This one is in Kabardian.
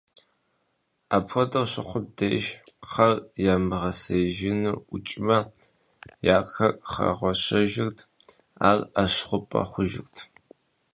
Апхуэдэу щыхъум деж, кхъэр ямыгъэсеижу ӀукӀмэ, я кхъэр хэгъуэщэжырт, ар Ӏэщ хъупӀэ хъужырт.